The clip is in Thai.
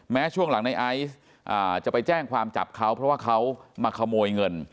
ช่วงหลังในไอซ์จะไปแจ้งความจับเขาเพราะว่าเขามาขโมยเงิน